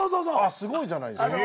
すごいじゃないですか。